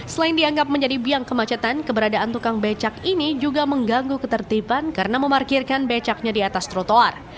selain dianggap menjadi biang kemacetan keberadaan tukang becak ini juga mengganggu ketertiban karena memarkirkan becaknya di atas trotoar